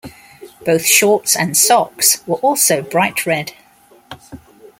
Both shorts and socks were also bright red.